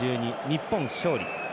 日本、勝利。